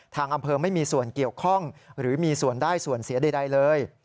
ทางอำเภอไม่มีส่วนเกี่ยวข้องหรือมีส่วนได้ส่วนเสียใดเลย